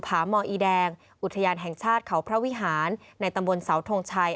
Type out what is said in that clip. ผาหมออีแดงอุทยานแห่งชาติเขาพระวิหารในตำบลเสาทงชัย